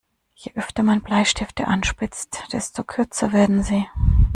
Je öfter man Bleistifte anspitzt, desto kürzer werden sie.